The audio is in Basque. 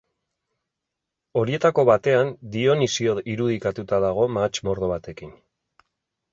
Horietariko batean Dionisio irudikatuta dago mahats-mordo batekin.